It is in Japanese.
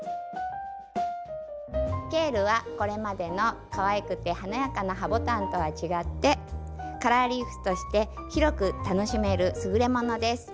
ケールはこれまでのかわいくて華やかなハボタンとは違ってカラーリーフとして広く楽しめる優れものです。